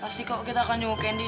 pasti kok kita jemput candy ya